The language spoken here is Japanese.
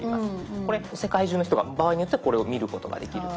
世界中の人が場合によってはこれを見ることができると。